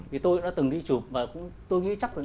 vì tôi đã từng đi chụp và tôi nghĩ chắc chắn